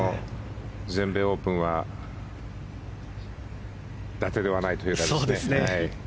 全米オープンは伊達ではないという感じですね。